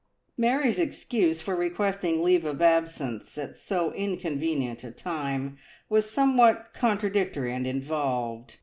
Mary's excuse for requesting leave of absence at so inconvenient a time was somewhat contradictory and involved.